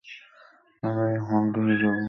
আমরা এই হল ধরে যাব আর একটা তুলে নেব।